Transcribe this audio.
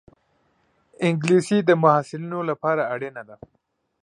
انګلیسي د محصلینو لپاره اړینه ده